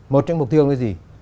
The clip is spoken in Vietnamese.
một trong mục tiêu nó là gì